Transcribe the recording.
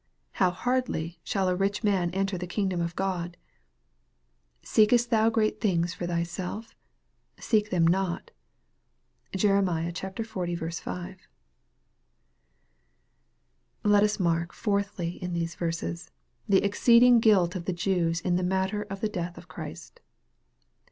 How hardly shall a rich man en ter the kingdom of God. " Seekest thou great things for thyself? seek them not." (Jerem. xl. 5 ) Let us mark, fourthly, in these verses, the exceeding guilt of the Jews in the matter of the death of Christ.